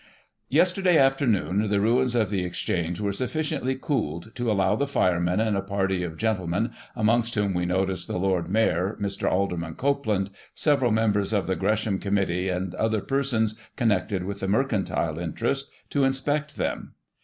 "Yesterday afternoon the ruins of the Exchange were sufficiently cooled to allow the firemen and a party of gentle men, amongst whom we noticed the Lord Mayor, Mr. Alder man Copeland, several members of the Gresham Committee, and other persons connected with the mercantile interest, to inspect them.